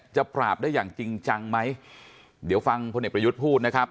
ปราบได้อย่างจริงจังไหมเดี๋ยวฟังพลเอกประยุทธ์พูดนะครับ